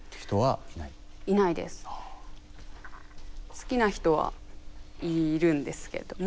好きな人はいるんですけども。